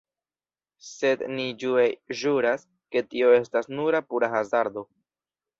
Sed ni ĝue ĵuras, ke tio estas nura pura hazardo.